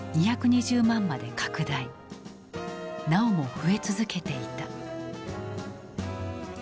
なおも増え続けていた。